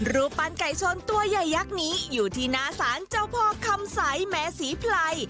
รูปปั้นไก่ชนตัวใหญ่ยักษ์นี้อยู่ที่หน้าศาลเจ้าพ่อคำใสแม้ศรีไพร